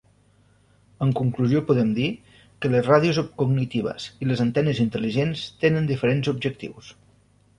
En conclusió podem dir que les ràdios cognitives i les antenes intel·ligents tenen diferents objectius.